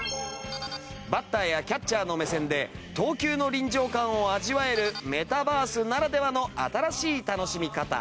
バッターやキャッチャーの目線で投球の臨場感を味わえるメタバースならではの新しい楽しみ方。